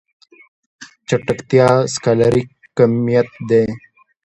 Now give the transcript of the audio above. چټکتيا سکالري کميت دی.